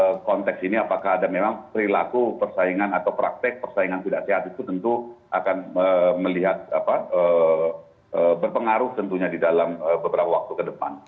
karena konteks ini apakah ada memang perilaku persaingan atau praktek persaingan tidak sehat itu tentu akan melihat berpengaruh tentunya di dalam beberapa waktu ke depan